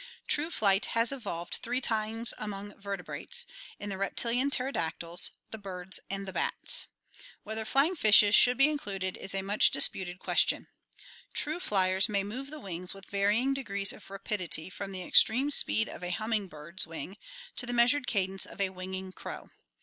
True flight has evolved three times among vertebrates: in the reptilian pterodactyls, the birds, and the bats. Whether flying fishes should be included is a much dis puted question. True flyers may move the wings with varying degrees of rapidity from the extreme speed of a humming bird's wing to the measured cadence of a winging crow.